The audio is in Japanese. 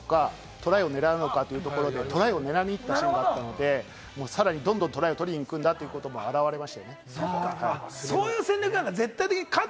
トライを狙うのかというところで、トライを狙いに行ったので、さらにどんどん、トライを取りに行くんだということもあらわれました。